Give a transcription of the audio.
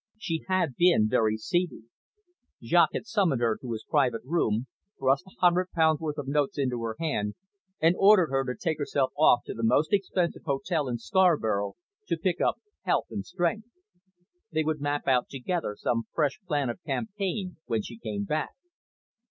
She had been very seedy. Jaques had summoned her to his private room, thrust a hundred pounds worth of notes into her hand, and ordered her to take herself off to the most expensive hotel in Scarborough, to pick up health and strength. They would map out together some fresh plan of campaign when she came back.